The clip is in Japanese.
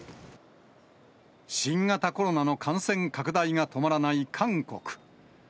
新型コロナの感染拡大が止まらない韓国。